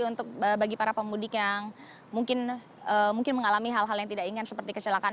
untuk bagi para pemudik yang mungkin mengalami hal hal yang tidak ingat seperti kecelakaan